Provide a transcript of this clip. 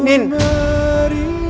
kejadian bachar else